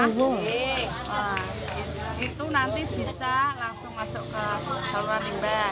nah itu nanti bisa langsung masuk ke saluran limbah